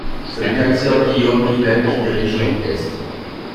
C'est le Kaiser Guillaume, lui-même, qui dirige l'orchestre.